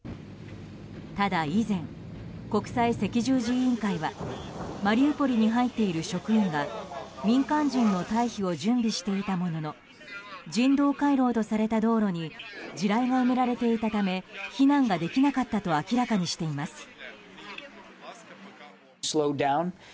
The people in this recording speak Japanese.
ただ以前、国際赤十字委員会はマリウポリに入っている職員が民間人の退避を準備していたものの人道回廊とされた道路に地雷が埋められていたため避難ができなかったと明らかにしています。